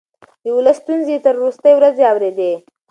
د ولس ستونزې يې تر وروستۍ ورځې اورېدې.